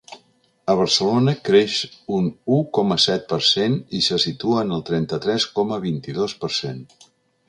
A Barcelona, creix un u coma set per cent i se situa en el trenta-tres coma vint-i-dos per cent.